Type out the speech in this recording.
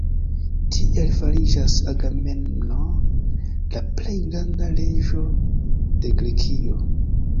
Tiel fariĝas Agamemno la plej granda reĝo de Grekio.